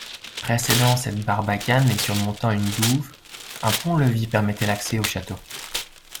Précédant cette barbacane et surmontant une douve, un pont-levis permettait l'accès au château.